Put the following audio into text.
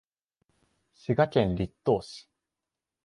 滋賀県栗東市